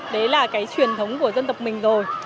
đấy là cái truyền thống của dân tộc mình rồi